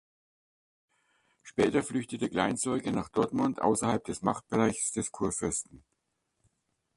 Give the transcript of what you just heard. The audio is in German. Später flüchtete Kleinsorgen nach Dortmund außerhalb des Machtbereichs des Kurfürsten.